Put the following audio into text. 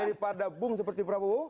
daripada bung seperti prabowo